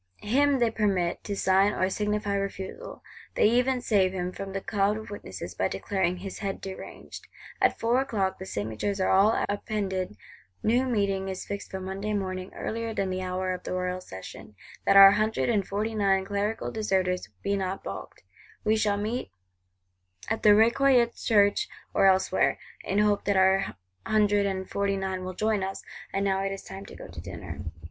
Him they permit to sign or signify refusal; they even save him from the cloud of witnesses, by declaring "his head deranged." At four o'clock, the signatures are all appended; new meeting is fixed for Monday morning, earlier than the hour of the Royal Session; that our Hundred and Forty nine Clerical deserters be not balked: we shall meet "at the Recollets Church or elsewhere," in hope that our Hundred and Forty nine will join us;—and now it is time to go to dinner.